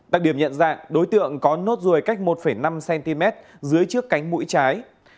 đặc điểm nhận dạng đối tượng có nốt ruồi cách một năm cm dưới trước cánh mũi trái